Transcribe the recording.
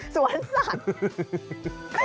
สวนสัตว์